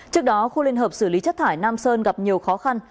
trước đó khu liên hợp xử lý chất thải nam sơn gặp nhiều khó khăn